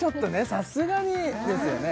さすがにですよね